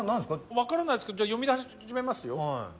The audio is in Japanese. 分からないすけどじゃ読み始めますよ